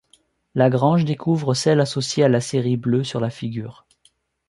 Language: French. Lagrange découvre celle associée à la série bleue sur la figure.